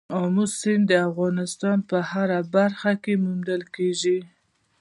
آمو سیند د افغانستان په هره برخه کې موندل کېږي.